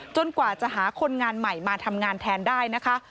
กว่าจะหาคนงานใหม่มาทำงานแทนได้นะคะ